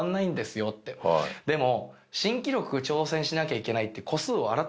でも。